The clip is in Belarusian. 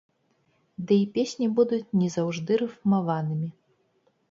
Ды і песні будуць не заўжды рыфмаванымі.